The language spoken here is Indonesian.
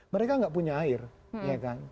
mereka nggak punya air ya kan